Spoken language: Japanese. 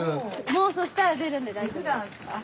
もうそしたら出るんで大丈夫です。